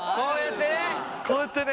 こうやってね。